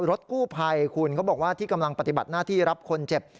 รถกู้ภัยคุณเขาบอกว่าที่กำลังปฏิบัติหน้าที่รับคนเจ็บ